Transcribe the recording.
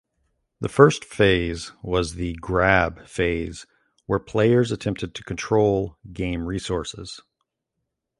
The first phase was the "grab" phase where players attempted to control game resources.